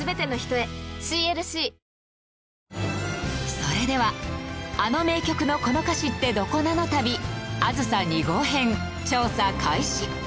それではあの名曲のこの歌詞ってどこなの旅『あずさ２号』編調査開始！